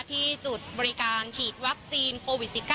ที่จุดบริการฉีดวัคซีนโควิด๑๙